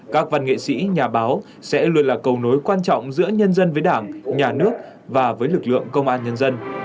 các văn nghệ sĩ nhà báo sẽ luôn là cầu nối quan trọng giữa nhân dân với đảng nhà nước và với lực lượng công an nhân dân